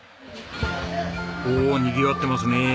おおにぎわってますね。